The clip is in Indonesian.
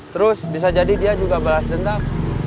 terus bisa jadi dia juga balas dendam